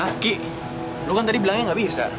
hah ki lo kan tadi bilangnya gak bisa